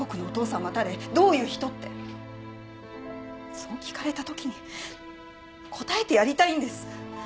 そう聞かれた時に答えてやりたいんです。